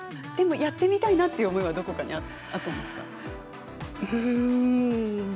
やってみたいという思いはどこかにあったんですか。